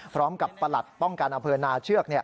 พร้อมกับประหลัดป้องกันอเผินนาเชือก